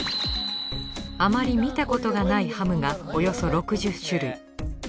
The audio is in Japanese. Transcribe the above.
あまり見たことがないハムがおよそ６０種類。